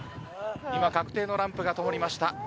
今確定のランプがともりました。